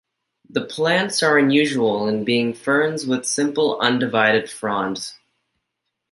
The plants are unusual in being ferns with simple, undivided fronds.